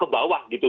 ke bawah gitu